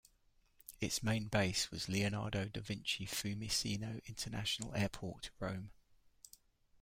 Its main base was Leonardo da Vinci-Fiumicino International Airport, Rome.